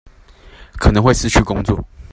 可能會失去工作